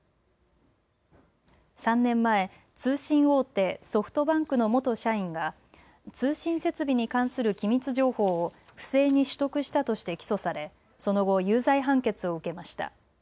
３年前、通信大手ソフトバンクの元社員が通信設備に関する機密情報を不正に取得したとして起訴されその後、有罪判決を受けました。